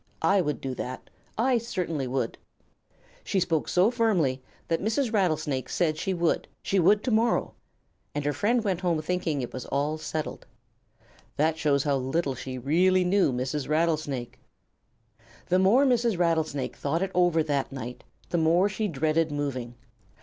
I would do that. I certainly would." She spoke so firmly that Mrs. Rattlesnake said she would, she would to morrow. And her friend went home thinking it was all settled. That shows how little she really knew Mrs. Rattlesnake. The more Mrs. Rattlesnake thought it over that night, the more she dreaded moving.